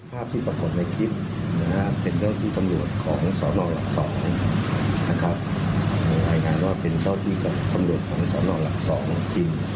ในคลิปนะครับเป็นเรื่องที่คำลวจของสอน่อนหลักสองฮะเช่นครั้งนี้